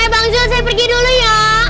bang zul saya pergi dulu ya